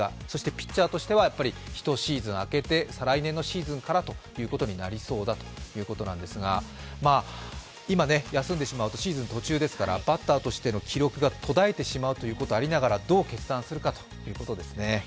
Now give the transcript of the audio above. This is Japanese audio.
ピッチャーとしては１シーズンあけて再来年のシーズンからとなりそうだということなんですが今休んでしまうとシーズン途中ですからバッターとしての記録が途絶えてしまうので、どう決断するかというところですね。